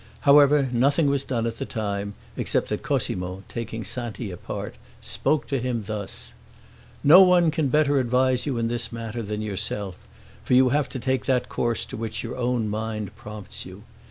However, nothing was done at the time, except that Cosmo, taking Santi apart, spoke to him thus: "No one can better advise you in this matter than yourself; for you have to take that course to which your own mind prompts you.